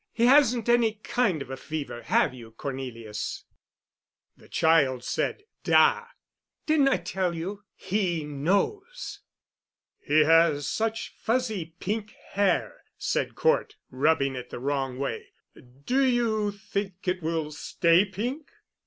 "He hasn't any kind of a fever, have you, Cornelius?" The child said, "Da!" "Didn't I tell you? He knows." "He has such fuzzy pink hair!" said Cort, rubbing it the wrong way. "Do you think it will stay pink?"